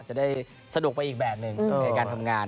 จะได้สะดวกไปอีกแบบหนึ่งในการทำงาน